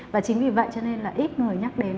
và chính vì vậy cho nên là ít người nhắc đến